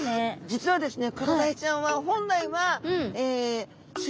実はですね